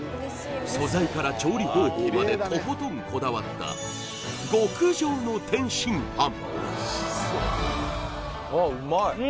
素材から調理方法までとことんこだわったの天津飯あっ